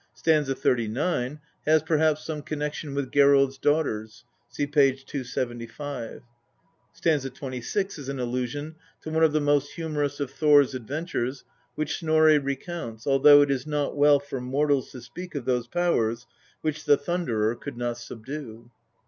St. 39 has perhaps some connection with Geirrod's daughters (see p. 275). St. 26 is an allu sion to one of the most humorous of Thor's adventures which Snorri recounts, although " it is not well for mortals to speak of those powers which the Thunderer could not subdue."